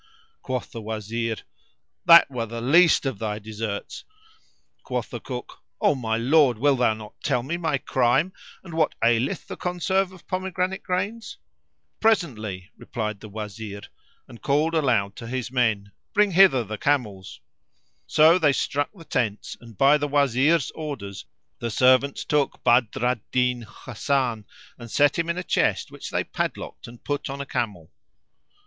Quoth the Wazir, "That were the least of thy deserts!" Quoth the cook, "O my lord, wilt thou not tell me my crime and what aileth the conserve of pomegranate grains?" "Presently," replied the Wazir and called aloud to his men, saying "Bring hither the camels." So they struck the tents and by the Wazir's orders the servants took Badr al Din Hasan, and set him in a chest which they padlocked and put on a camel.